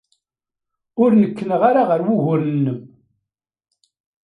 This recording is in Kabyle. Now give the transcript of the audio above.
Ur nneknaɣ ara ɣer wuguren-nnem.